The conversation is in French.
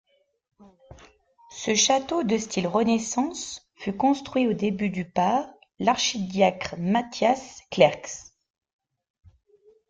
Ce château de style Renaissance fut construit au début du par l'archidiacre Mathias Clercx.